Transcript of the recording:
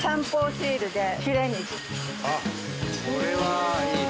あっこれはいいね。